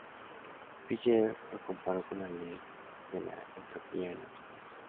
Fisher lo comparó con la ley de la entropía en la física.